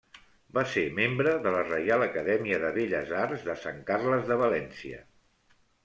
Va ser membre de la Reial Acadèmia de Belles Arts de Sant Carles de València.